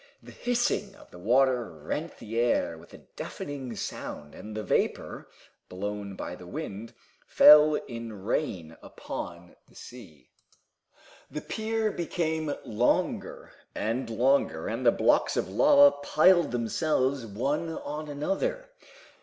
The hissing of the water rent the air with a deafening sound, and the vapor, blown by the wind, fell in rain upon the sea. The pier became longer and longer, and the blocks of lava piled themselves one on another.